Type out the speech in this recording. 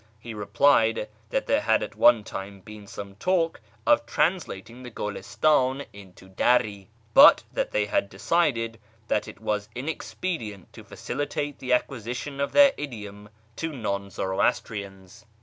He replied that there had at one time been some talk of translating the Gidistdn into Dari, but that they had decided that it was inexpedient to facilitate the acquisition of their idiom to non Zoroastrians.